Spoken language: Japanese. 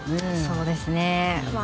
そうですね。